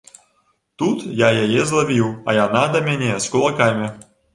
Тут я яе злавіў, а яна да мяне з кулакамі.